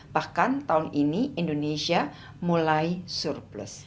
bahkan tahun ini indonesia mulai surplus